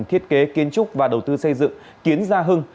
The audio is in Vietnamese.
thiết kế kiến trúc và đầu tư xây dựng kiến gia hưng